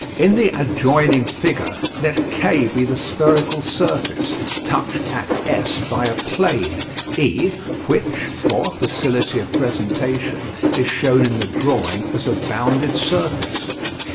In the adjoining figure let K be the spherical surface, touched at S by a plane, E, which, for facility of presentation, is shown in the drawing as a bounded surface.